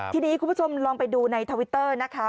ทีนี้คุณผู้ชมลองไปดูในทวิตเตอร์นะคะ